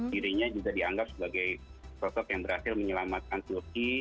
dirinya juga dianggap sebagai sosok yang berhasil menyelamatkan turki